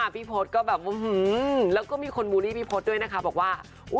พี่พศก็แบบแล้วก็มีคนบูลลี่พี่พศด้วยนะคะบอกว่า